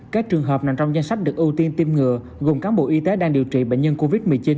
các trường hợp nằm trong danh sách được ưu tiên tiêm ngừa gồm cán bộ y tế đang điều trị bệnh nhân covid một mươi chín